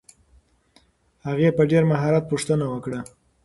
هغې په ډېر مهارت پوښتنه وکړه.